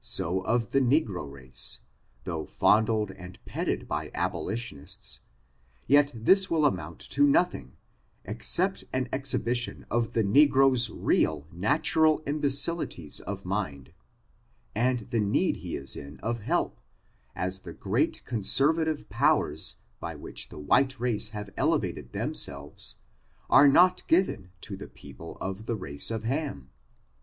So of the negro race, though fondled and petted by abolitionists, yet this will amount to nothing, except an exhibition of the ne gro's real natural imbecilities of mind, and the need he is in of help, as the great conservative powers by which the white race have elevated themselves are not given to the people of the race of Ham.